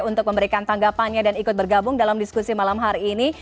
untuk memberikan tanggapannya dan ikut bergabung dalam diskusi malam hari ini